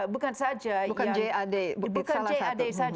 bukan saja jad